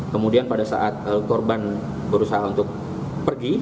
kemudian pada saat korban berusaha untuk pergi